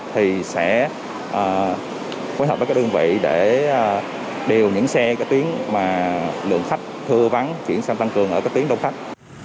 thì sẽ phối hợp với các đơn vị để điều những xe các tuyến mà lượng khách thưa vắng chuyển sang tăng cường ở các tuyến đông khách